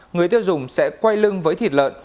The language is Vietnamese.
người tiêu dùng sẽ quay lưng với thịt lợn